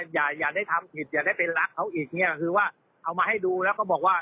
อย่าได้ทำผิดอย่าได้ไปรักเขาอีกเอามาให้ดูแล้วก็บอกว่า